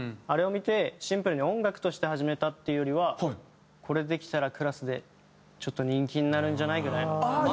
あれを見てシンプルに音楽として始めたっていうよりはこれできたらクラスでちょっと人気になるんじゃない？ぐらいの。